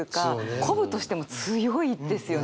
鼓舞としても強いですよね。